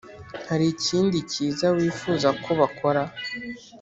hari ikindi cyiza wifuza ko bakora.